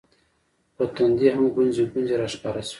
په تندي هم ګونځې ګونځې راښکاره شوې